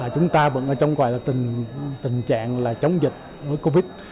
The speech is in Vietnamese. chúng ta vẫn ở trong tình trạng chống dịch covid một mươi chín